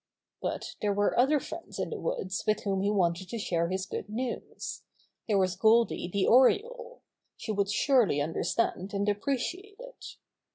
But there were other friends in the woods with whom he wanted to share his good news. There was Goldy the Oriole. She would surely understand and appreciate it.